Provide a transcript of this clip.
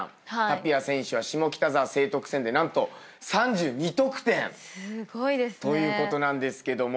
タピア選手は下北沢成徳戦で何と３２得点ということなんですけども。